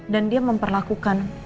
dan dia memperlakukan